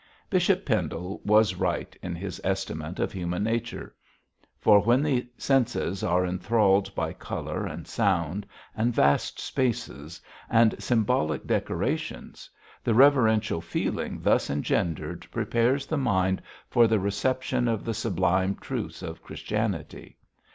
Bishop Pendle was right in his estimate of human nature; for when the senses are enthralled by colour and sound, and vast spaces, and symbolic decorations the reverential feeling thus engendered prepares the mind for the reception of the sublime truths of Christianity.